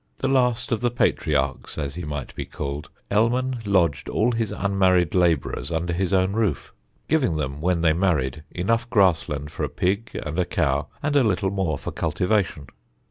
The last of the patriarchs, as he might be called, Ellman lodged all his unmarried labourers under his own roof, giving them when they married enough grassland for a pig and a cow, and a little more for cultivation.